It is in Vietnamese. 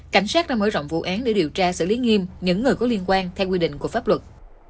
cảnh sát đã mở rộng vụ án để điều tra xử lý nghiêm những người có liên quan theo quy định của pháp luật